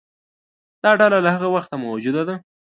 دا ډله له هغه وخته موجوده ده.